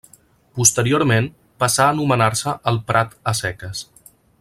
Posteriorment, passà a anomenar-se el Prat a seques.